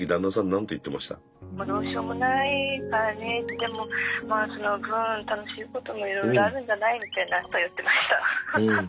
「でもそのぶん楽しいこともいろいろあるんじゃない？」みたいなことを言ってました。